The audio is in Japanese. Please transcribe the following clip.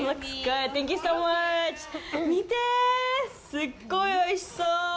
すっごいおいしそう！